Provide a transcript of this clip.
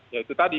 ya itu tadi